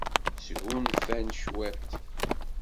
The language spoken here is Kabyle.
Sgunfan cwiṭ.